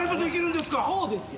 そうですよ。